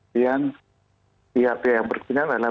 pihak pihak yang berkepentingan adalah